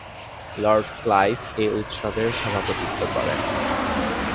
Lord Clive এ উৎসবের সভাপতিত্ব করেন।